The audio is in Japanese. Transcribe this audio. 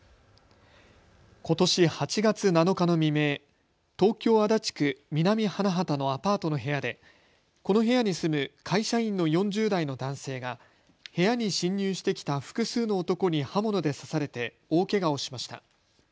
ことし８月７日の未明、東京足立区南花畑のアパートの部屋でこの部屋に住む会社員の４０代の男性が部屋に侵入してきた複数の男に刃物で刺されて大けがをしました。